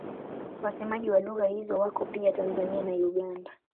Wasemaji wa lugha hizo wako pia Tanzania na Uganda.